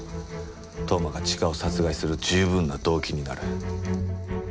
当麻がチカを殺害する十分な動機になる。